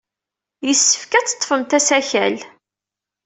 Yessefk ad teḍḍfemt asakal.